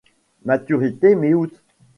Maturité: mi-août.